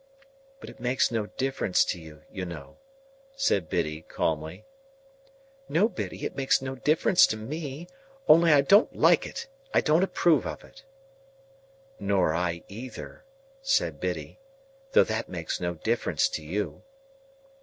"But it makes no difference to you, you know," said Biddy, calmly. "No, Biddy, it makes no difference to me; only I don't like it; I don't approve of it." "Nor I neither," said Biddy. "Though that makes no difference to you."